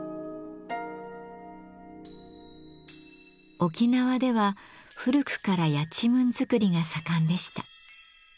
沖縄では古くからやちむん作りが盛んでした。